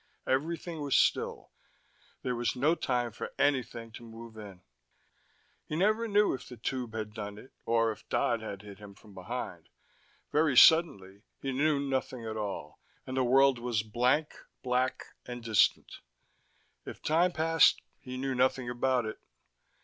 Everything was still: there was no time for anything to move in. He never knew if the tube had done it, or if Dodd had hit him from behind. Very suddenly, he knew nothing at all, and the world was blank, black, and distant. If time passed he knew nothing about it.